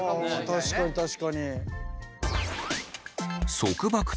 確かに確かに。